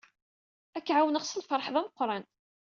Ad k-ɛawneɣ s lfeṛḥ d ameqran.